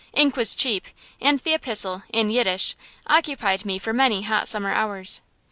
Ink was cheap, and the epistle, in Yiddish, occupied me for many hot summer hours.